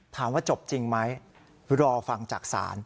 ถามว่าจบจริงไหมรอฟังจากศาล